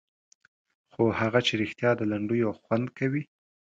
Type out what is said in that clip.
خو هغه چې رښتیا د لنډیو خوند کوي.